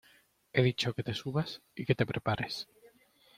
he dicho que te subas y que te prepares.